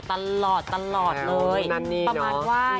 ตลอดเลยประมาณว่า